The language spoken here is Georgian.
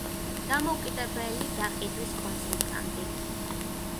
დამოუკიდებელი გაყიდვის კონსულტანტი.